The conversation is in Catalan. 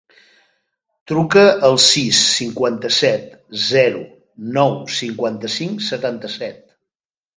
Truca al sis, cinquanta-set, zero, nou, cinquanta-cinc, setanta-set.